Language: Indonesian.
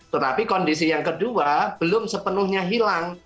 tetapi kondisi yang kedua belum sepenuhnya hilang